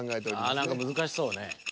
ああ何か難しそうね。